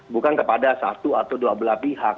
bukan kepada satu atau dua belah pihak